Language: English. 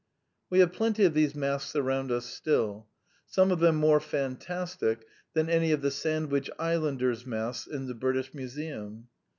We have plenty of these masks around us still : some of them more fantastic than any of the Sand wich Islanders' masks in the British Museum.